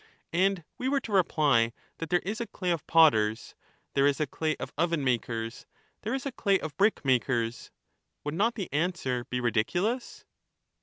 anowe were to reply, that tion the son there is a clay of potters, there is a clay of oven makers, of answer there is a clay of brick makers ; would not the answer be "^^ ridiculous